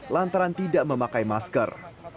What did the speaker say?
lantaran tidak memakai masker